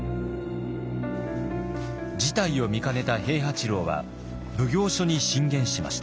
事態を見かねた平八郎は奉行所に進言しました。